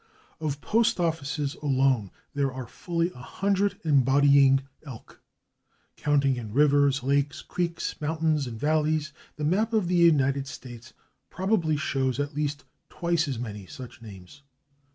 " Of postoffices alone there are fully a hundred embodying /Elk/; counting in rivers, lakes, creeks, mountains and valleys, the map of the United States probably shows at least twice as many such names.